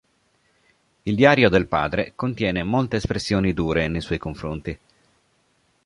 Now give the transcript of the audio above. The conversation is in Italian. Il diario del padre contiene molte espressioni dure nei suoi confronti.